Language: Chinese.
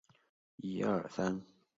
河的南侧是。